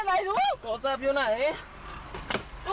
เดี๋ยวอย่าเข้าไปสิ